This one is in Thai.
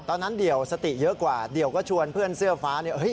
ตอนนั้นเดี่ยวสติเยอะกว่าเดี่ยวก็ชวนเพื่อนเสื้อฟ้า